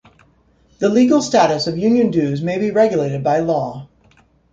The legal status of union dues may be regulated by law.